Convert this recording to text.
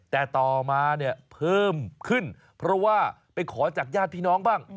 แต่ต่อมาเนี่ยเพิ่มขึ้นเพราะว่าไปขอจากญาติพี่น้องบ้าง